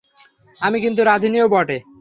আমি কিন্তু রাঁধুনিও বটে!